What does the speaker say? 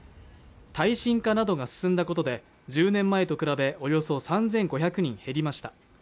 耐震化などが進んだことで１０年前と比べおよそ３５００人減りました